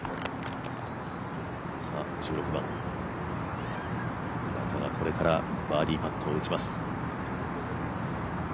１６番、岩田がこれからバーディーパットを打ちます。